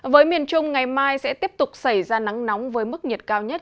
với miền trung ngày mai sẽ tiếp tục xảy ra nắng nóng với mức nhiệt cao nhất